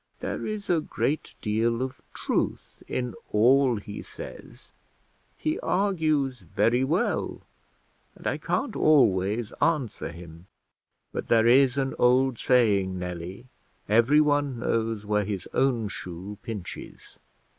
There is a great deal of truth in all he says; he argues very well, and I can't always answer him; but there is an old saying, Nelly: 'Everyone knows where his own shoe pinches!'